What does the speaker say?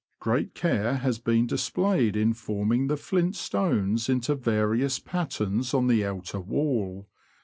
Great care has been displayed in forming the flint stones into various patterns on the outer wall.